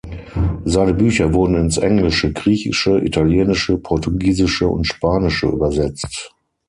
Seine Bücher wurden ins Englische, Griechische, Italienische, Portugiesische und Spanische übersetzt.